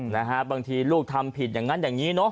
นะฮะบางทีลูกทำผิดอย่างนั้นอย่างนี้เนอะ